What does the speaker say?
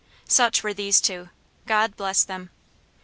Such were these two God bless them!